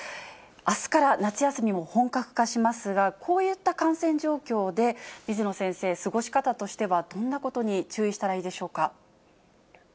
あすから夏休みも本格化しますが、こういった感染状況で、水野先生、過ごし方としてはどんなことに注意したらいいでしょうか。